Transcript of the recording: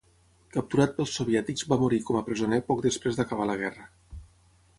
Capturat pels soviètics va morir com a presoner poc després d'acabar la guerra.